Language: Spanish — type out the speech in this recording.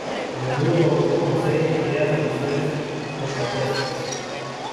A menudo los grupos poseen ideas o visiones contrapuestas.